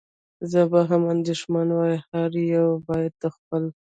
زه به هم اندېښمن وای، هر یو باید د خپل.